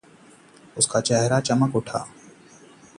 उसका चहरा चमक उठा।